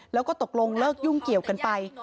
แล้วก็ตกลงเลิกยุ่งเกี่ยวกันไป